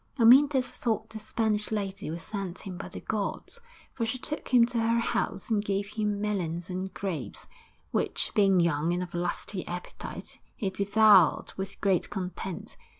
Amyntas thought the Spanish lady was sent him by the gods, for she took him to her house and gave him melons and grapes, which, being young and of lusty appetite, he devoured with great content.